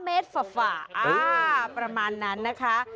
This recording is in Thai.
เมตรฝ่าประมาณนั้นนะคะ